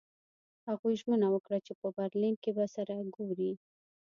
هغوی ژمنه وکړه چې په برلین کې به سره ګوري